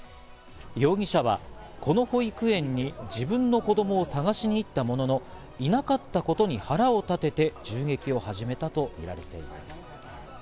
容疑者はこの保育園に自分の子供を探しに行ったものの、いなかったことに腹を立てて銃撃を始めたとみられています。